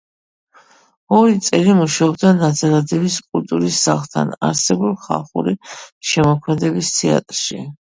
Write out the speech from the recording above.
ორი წელი მუშაობდა ნაძალადევის კულტურის სახლთან არსებულ ხალხური შემოქმედების თეატრში.